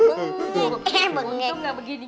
untung gak begini